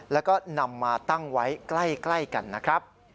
แล้วก็นำมาตั้งไว้ใกล้กันนะครับ